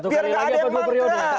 biar gak ada mangkrah